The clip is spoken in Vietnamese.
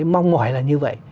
mong ngoại là như vậy